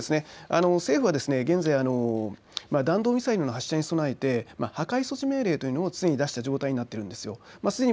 政府は現在、弾道ミサイルの発射に備えて破壊措置命令というのを常に出した状態になっているんです。